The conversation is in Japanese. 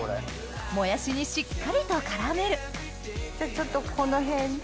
もやしにしっかりと絡めるじゃあちょっとこのへんで。